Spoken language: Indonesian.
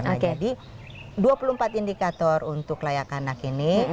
nah jadi dua puluh empat indikator untuk layak anak ini